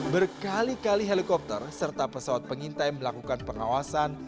berkali kali helikopter serta pesawat pengintai melakukan pengawasan